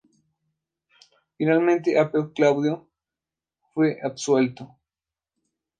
Finalmente Apio Claudio fue absuelto.